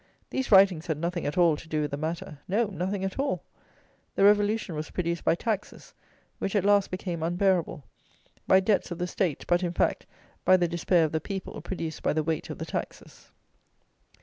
These writings had nothing at all to do with the matter: no, nothing at all. The Revolution was produced by taxes, which at last became unbearable; by debts of the State; but, in fact, by the despair of the people, produced by the weight of the taxes.